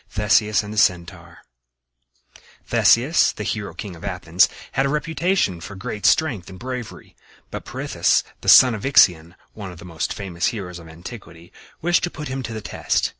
THESEUS AND THE CENTAUR Theseus, the hero king of Athens, had a reputation for great strength and bravery; but Pirithous, the son of Ixion, one of the most famous heroes of antiquity, wished to put him to the test.